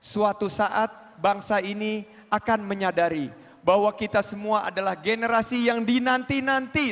suatu saat bangsa ini akan menyadari bahwa kita semua adalah generasi yang dinanti nanti